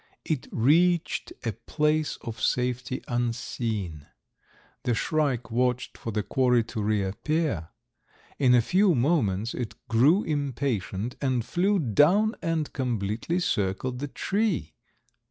It reached a place of safety unseen. The shrike watched for the quarry to reappear. In a few moments it grew impatient and flew down and completely circled the tree.